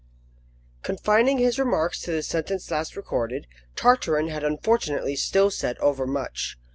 CONFINING his remarks to the sentence last recorded, Tartarin had unfortunately still said overmuch.